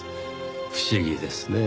不思議ですねぇ。